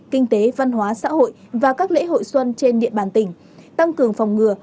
kinh tế văn hóa xã hội và các lễ hội xuân trên địa bàn tỉnh tăng cường phòng ngừa